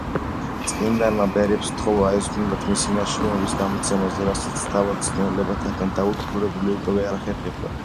წმინდანმა ბერებს სთხოვა, ეზრუნათ მისი ნაშრომების გამოცემაზე, რასაც თავად, სნეულებათაგან დაუძლურებული, უკვე ვერ ახერხებდა.